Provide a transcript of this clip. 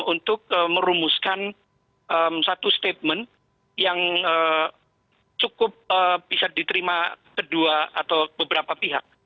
untuk merumuskan satu statement yang cukup bisa diterima kedua atau beberapa pihak